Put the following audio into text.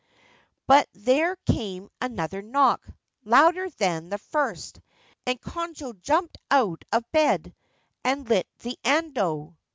But there came another knock, louder than the first ; and Konojo jumped out of bed, and lit the ando.